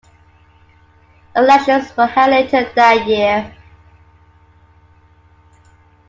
Elections were held later that year.